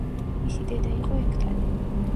მისი დედა იყო ექთანი.